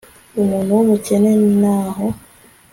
umuntu w'umukene naho